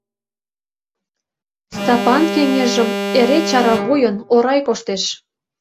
Стапан кеҥежым эре чара вуйын, орай коштеш.